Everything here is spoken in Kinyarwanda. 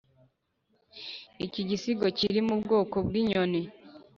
iki gisigo kiri mu bwoko bw' inyoni